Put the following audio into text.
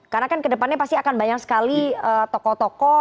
karena kan kedepannya pasti akan banyak sekali tokoh tokoh